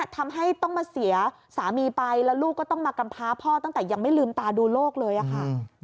ทำให้ต้องมาเสียสามีไปแล้วลูกก็ต้องมากำพาพ่อตั้งแต่ยังไม่ลืมตาดูโลกเลยค่ะ